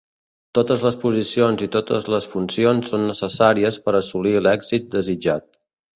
Totes les posicions i totes les funcions són necessàries per assolir l’èxit desitjat.